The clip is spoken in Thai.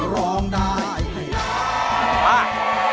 ร้องได้ให้ได้